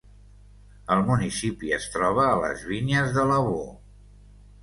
El municipi es troba a les vinyes de Lavaux.